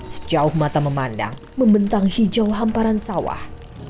sejauh mata memandang membentang hijau hamparan sawah